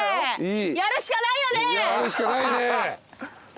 やるしかないね。